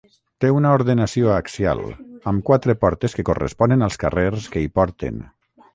Té una ordenació axial, amb quatre portes que corresponen als carrers que hi porten.